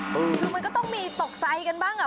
คือมันก็ต้องมีตกใจกันบ้างอ่ะ